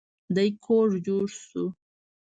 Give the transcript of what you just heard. دی کوږ جوش شو.